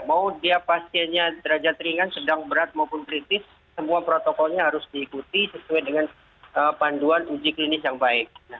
mau dia pasiennya derajat ringan sedang berat maupun kritis semua protokolnya harus diikuti sesuai dengan panduan uji klinis yang baik